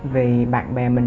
vì bạn bè mình